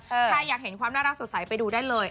ใครอยากเห็นความน่ารักสดใสไปดูได้เลย